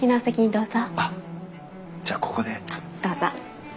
どうぞ。